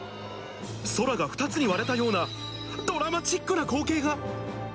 空が２つに割れたようなドラマチックな光景が。